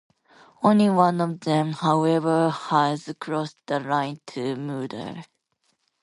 Only one of them, however, has crossed the line to murder.